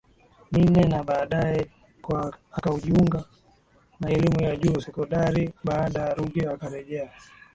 minne na baadae kwa akaujiunga na elimu ya juu ya sekondari Baadae Ruge akarejea